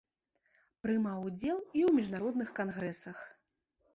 Прымаў удзел і ў міжнародных кангрэсах.